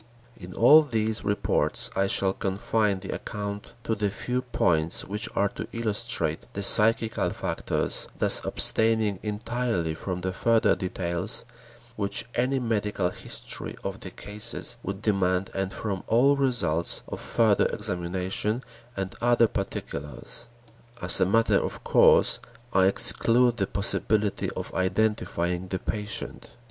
In all these reports, I shall confine the account to the few points which are to illustrate the psychical factors, thus abstaining entirely from the further details which any medical history of the cases would demand and from all results of further examination and other particulars. As a matter of course, I exclude the possibility of identifying the patient.